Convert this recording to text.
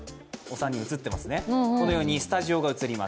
このようにスタジオが映ります。